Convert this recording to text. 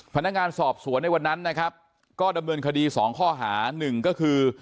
พนักงานสอบสวนในวันนั้นนะครับก็ดำเนินคดีสองข้อหาหนึ่งก็คือ